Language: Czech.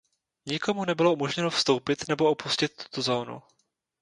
Nikomu nebylo umožněno vstoupit nebo opustit tuto zónu.